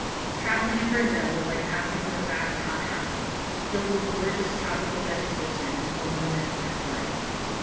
Travelling in Brazil is like passing through a vast hothouse, filled with gorgeous tropical vegetation and forms of insect life.